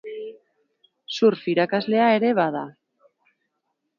Surf irakaslea ere bada.